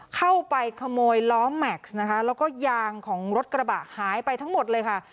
เข้าไปขโมยล้อแม็กซ์นะคะแล้วก็ยางของรถกระบะหายไปทั้งหมดเลยค่ะ